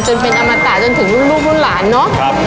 จนเป็นอมตาจนถึงลูกลูกลูกหลานเนาะ